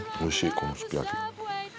このすき焼き。